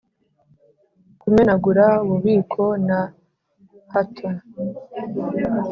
kumenagura, ububiko, na halter.